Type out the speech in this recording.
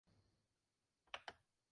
ليهنك حق رده الله منعما